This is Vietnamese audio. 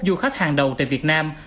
du khách hàng đầu tại việt nam